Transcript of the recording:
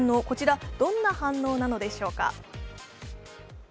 こちらどんな反応なのでしょうか。